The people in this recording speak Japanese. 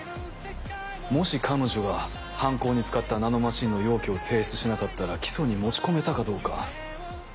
もし彼女が犯行に使ったナノマシンの容器を提出しなかったら起訴に持ち込めたかどうか。